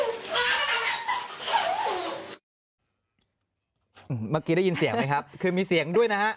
เมื่อกี้ได้ยินเสียงไหมครับคือมีเสียงด้วยนะฮะ